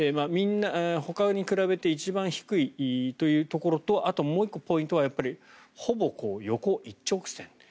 ほかに比べて一番低いというところとあと、もう１個ポイントはほぼ横一直線。